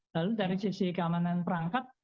lalu dari sisi keamanan perangkat